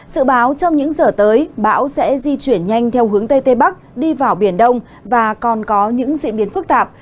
sự báo trong những giờ tới bão sẽ di chuyển nhanh theo hướng tây tây bắc đi vào biển đông và còn có những diễn biến phức tạp